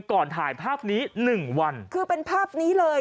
ก่อนถ่ายภาพนี้หนึ่งวันคือเป็นภาพนี้เลย